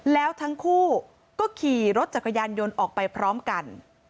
แล้วทั้งคู่ก็ขี่รถจักรยานยนต์ออกไปพร้อมกัน